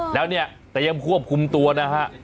แล้วเนี่ยเตรียมควบคุมตัวนะฮะ